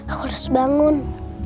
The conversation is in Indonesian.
aku harus bangun